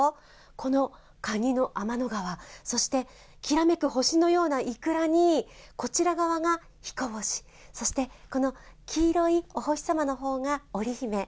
このカニの天の川、そしてきらめく星のようなイクラにこちら側がひこ星、そしてこの黄色いお星さまのほうが織姫。